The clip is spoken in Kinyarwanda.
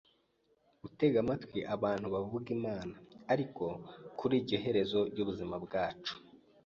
gutega amatwi abantu bavuga Imana ariko kuri iryo herezo ry’ubuzima bwacu